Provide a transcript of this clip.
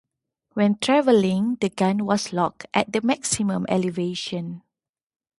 When traveling, the gun was locked at the maximum elevation.